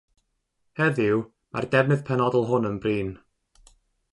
Heddiw, mae'r defnydd penodol hwn yn brin.